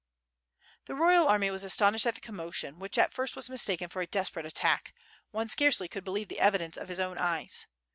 z' The royal army was astonished at the commotion, which at first was mistaken for a desperate attack; one scarcely could believe the evidence of his own eyes.